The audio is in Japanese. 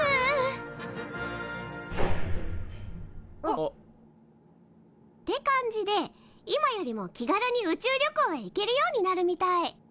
あ。って感じで今よりも気軽に宇宙旅行へ行けるようになるみたい。